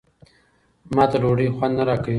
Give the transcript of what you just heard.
ما ته ډوډۍ خوند نه راکوي.